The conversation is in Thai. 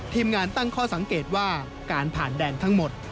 ทีมงานตั้งข้อสังเกตว่าการผ่านแดนทั้งหมด